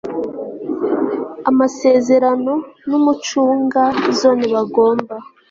amasezerano n ucunga zone bagomba